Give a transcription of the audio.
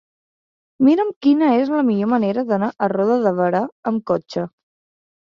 Mira'm quina és la millor manera d'anar a Roda de Berà amb cotxe.